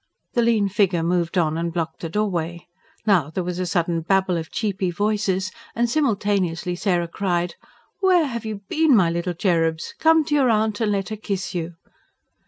The lean figure moved on and blocked the doorway. Now there was a sudden babble of cheepy voices, and simultaneously Sarah cried: "Where have you been, my little cherubs? Come to your aunt, and let her kiss you!"